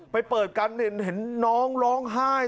ไปเปิดกันเห็นน้องร้องไห้